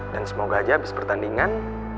dan semoga aja abis pertandingan